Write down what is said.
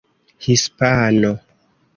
hispano